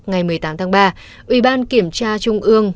ngày một mươi tám tháng ba ubnd kiểm tra trung ương